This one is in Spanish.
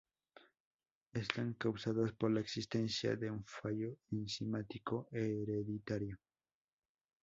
Están causadas por la existencia de un fallo enzimático hereditario.